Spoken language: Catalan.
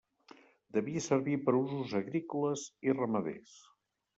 Devia servir per usos agrícoles i ramaders.